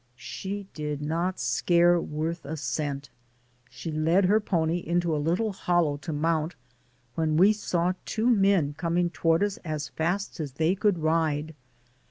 She did not scare worth a cent. She led her pony into a little hollow to mount when we saw two men coming toward us as fast as they could ride.